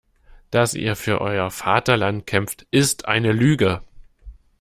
Dass ihr für euer Vaterland kämpft, ist eine Lüge.